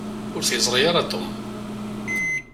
Ur t-yeẓṛi ara Tom.